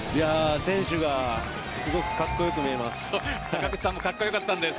選手がすごくかっこよく見えます。